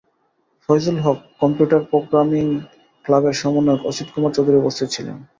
Faizul Haque, computer programming ক্লাবের সমন্বয়ক অসিত কুমার চৌধুরী উপস্থিত ছিলেন।